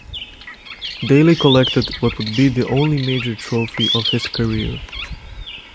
Daley collected what would be the only major trophy of his career.